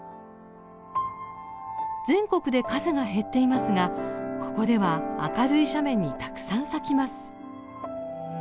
全国で数が減っていますがここでは明るい斜面にたくさん咲きます。